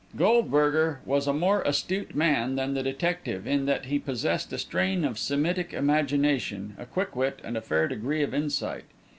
Goldberger was a more astute man than the detective, in that he possessed a strain of Semitic imagination, a quick wit, and a fair degree of insight.